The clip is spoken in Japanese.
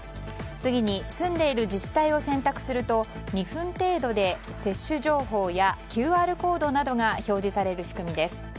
次に住んでいる自治体を選択すると２分程度で接種情報やＱＲコードなどが表示される仕組みです。